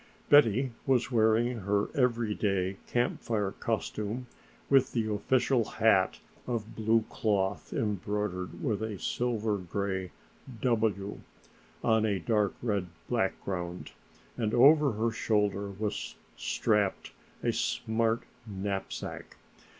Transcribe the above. Betty was wearing her every day Camp Fire costume with the official hat of blue cloth embroidered with a silver gray "W" on a dark red background and over her shoulder was strapped a smart knapsack.